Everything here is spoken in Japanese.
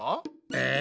え